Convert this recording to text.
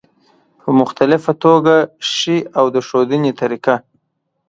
په مختلفه توګه ښي او د ښودنې طریقه